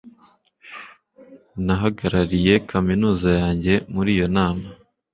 Nahagarariye kaminuza yanjye muri iyo nama.